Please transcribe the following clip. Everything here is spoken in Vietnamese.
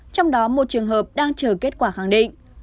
trong đó một trường hợp đang chờ kết quả khẳng định